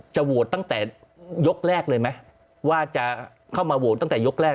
โหวตตั้งแต่ยกแรกเลยไหมว่าจะเข้ามาโหวตตั้งแต่ยกแรก